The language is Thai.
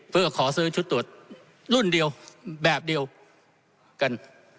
เพื่อขอซื้อชุดตรวจรุ่นเดียวแบบเดียวกัน